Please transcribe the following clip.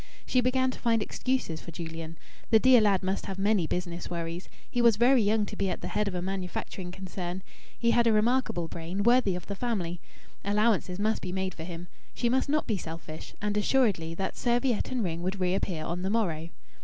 She began to find excuses for Julian. The dear lad must have many business worries. He was very young to be at the head of a manufacturing concern. He had a remarkable brain worthy of the family. Allowances must be made for him. She must not be selfish.... And assuredly that serviette and ring would reappear on the morrow.